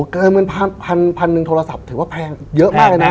เกินพันหนึ่งโทรศัพท์ถือว่าแพงเยอะมากเลยนะ